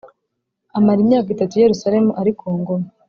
Amara imyaka itatu i Yerusalemu ari ku ngoma